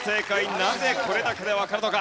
なぜこれだけでわかるのか？